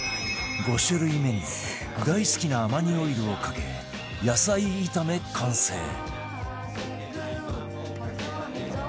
５種類目に大好きなアマニオイルをかけ野菜炒め完成